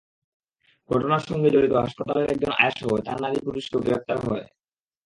ঘটনার সঙ্গে জড়িত হাসপাতালের একজন আয়াসহ চার নারী-পুরুষকে গ্রেপ্তার করা হয়।